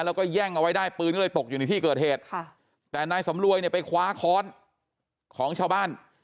แล้วก็แย่งเอาไว้ได้ปืนก็เลยตกอยู่ในที่เกิดเหตุค่ะแต่นายสำรวยเนี่ยไปคว้าค้อนของชาวบ้าน